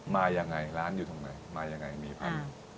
มาอย่างไรร้านอยู่ตรงไหนมาอย่างไรหมี่พันธุ์